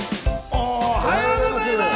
おはようございます。